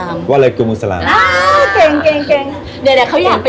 อ่าเก่งเดี๋ยวเขาอยากเป็นอิสลามกันด้วยแม่